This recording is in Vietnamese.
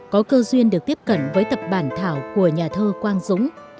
có cơ duyên được tiếp cận với tập bản thảo của nhà thơ quang dũng